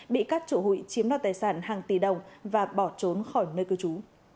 bị các chủ hụi chiếm đoạt tài sản hàng tỷ đồng và bỏ trốn khỏi nơi cư trú